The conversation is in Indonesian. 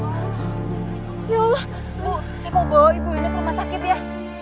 bu saya mau bawa ibu ini ke rumah sakit ya